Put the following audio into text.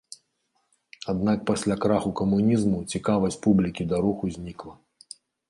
Аднак пасля краху камунізму цікавасць публікі да руху знікла.